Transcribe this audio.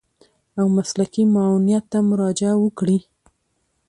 او مسلکي معاونيت ته مراجعه وکړي.